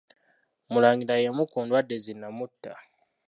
Mulangira y'emu ku ndwadde zi nnamutta.